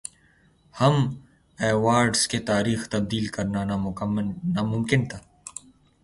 ہم ایوارڈز کی تاریخ تبدیل کرنا ناممکن تھا